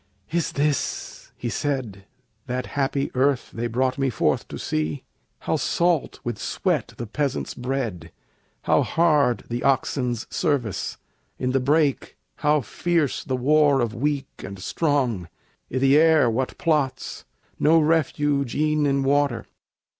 "Is this," he said, "That happy earth they brought me forth to see? How salt with sweat the peasant's bread! how hard The oxen's service! in the brake how fierce The war of weak and strong! i' th' air what plots! No refuge e'en in water.